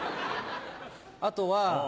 あとは。